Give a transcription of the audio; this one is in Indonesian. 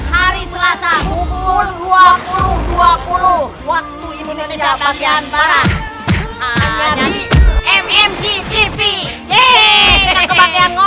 hari selasa pukul dua puluh dua puluh waktu indonesia bagian para aja di mcpv hehehe ngomong hahaha